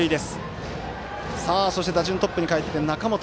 打順トップにかえって中本。